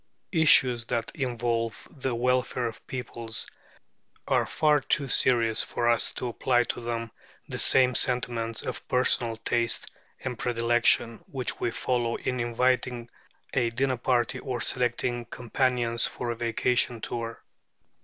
Issues that involve the welfare of peoples are far too serious for us to apply to them the same sentiments of personal taste and predilection which we follow in inviting a dinner party, or selecting companions for a vacation tour.